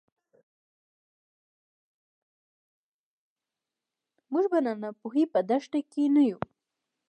موږ به د ناپوهۍ په دښته کې نه یو.